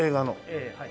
ええはい。